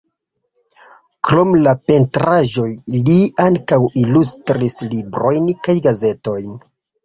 Krom la pentraĵoj li ankaŭ ilustris librojn kaj gazetojn.